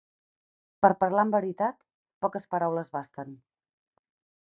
Per parlar amb veritat, poques paraules basten.